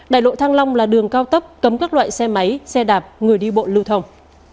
đại lộ thăng long là đường cao tốc cấm các loại xe máy xe đạp người đi bộ lưu thông